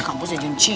kampus jajan cilok